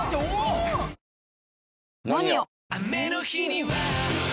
「ＮＯＮＩＯ」！